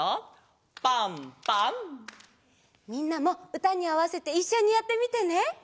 みんなもうたにあわせていっしょにやってみてね！